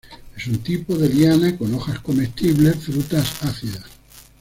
Es un tipo de liana con hojas comestibles, frutas ácidas.